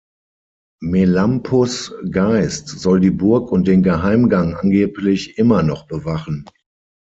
Melampus’ Geist soll die Burg und den Geheimgang angeblich immer noch bewachen.